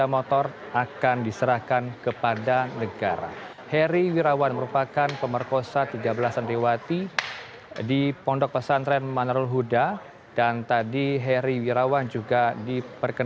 apakah akan menerima putusan atau melakukan putusan ada waktu tujuh hari untuk berpikir